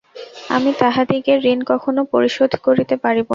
আমি তাঁহাদিগের ঋণ কখনও পরিশোধ করিতে পারিব না।